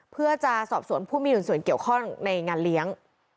เพื่อจะสอบสวนผู้มีส่วนเกี่ยวข้องในงานเลี้ยง